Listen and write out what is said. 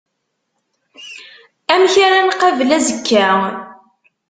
Amek ara nqabel azekka.